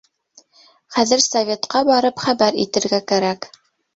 Хәҙер советҡа барып хәбәр итергә кәрәк.